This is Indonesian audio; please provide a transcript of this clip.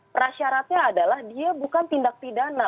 prasyaratnya adalah dia bukan tindak pidana